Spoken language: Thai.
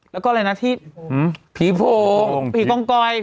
แล้วก็อะไรนะที่หืมผีโผงโฮกเค้าวงคอย